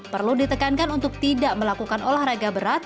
perlu ditekankan untuk tidak melakukan olahraga berat